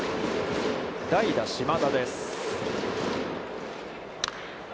代打島田です。